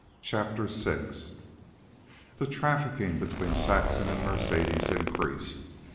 CHAPTER VI The trafficking between Saxon and Mercedes increased.